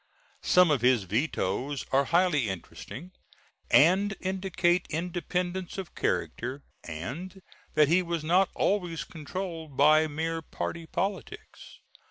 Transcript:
Some of his vetoes are highly interesting, and indicate independence of character and that he was not always controlled by mere party politics.